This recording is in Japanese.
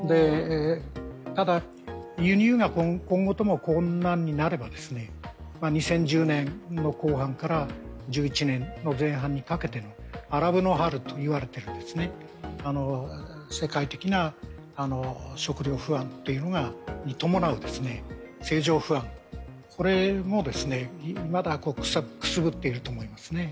ただ、輸入が今度とも困難になれば２０１０年の後半から１１年の前半にかけてのアラブの春といわれている世界的な食料不安というのが伴う政情不安、これがまだくすぶっていると思いますね。